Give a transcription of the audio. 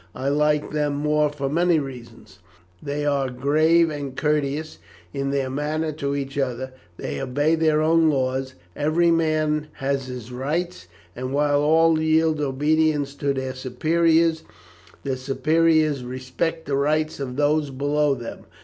I like them more for many reasons. They are grave and courteous in their manner to each other; they obey their own laws; every man has his rights; and while all yield obedience to their superiors, the superiors respect the rights of those below them.